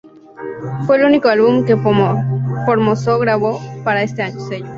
Fue el único álbum que Formoso grabó para este sello.